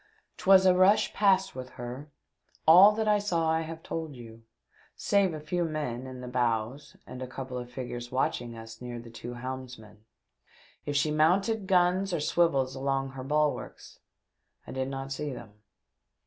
'Twas a rush past with her ; all that I saw I have told you, saving a few men in the bows and a couple of figures watching us near to the two helmsmen. If she mounted guns or swivels along her bulwarks I did not see them.